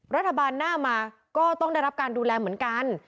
รัฐบาลหน้ามาก็ต้องได้รับการดูแลเหมือนกัน